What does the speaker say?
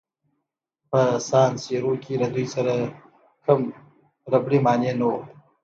په سان سیرو کې له دوی سره کوم ربړي مانع نه وو.